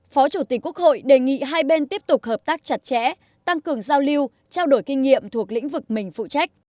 phó chủ tịch quốc hội đề nghị hai bên tiếp tục hợp tác chặt chẽ tăng cường giao lưu trao đổi kinh nghiệm thuộc lĩnh vực mình phụ trách